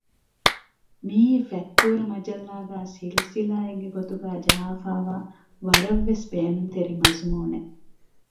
މިއީ ފަތްތޫރަ މަޖައްލާގައި ސިލްސިލާއެއްގެ ގޮތުގައި ޖަހައިފައިވާ ވަރަށް ވެސް ބޭނުންތެރި މަޒުމޫނެއް